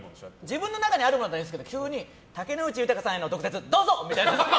自分の中にあるやつだったらいいですけど竹野内豊さんへの毒舌どうぞ！みたいな。